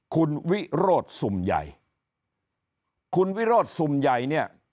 คุณวิโรธสุ่มใหญ่คุณวิโรธสุ่มใหญ่เนี่ย